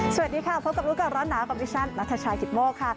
สวัสดีค่ะพบกับรู้ก่อนร้อนหนาวกับดิฉันนัทชายกิตโมกค่ะ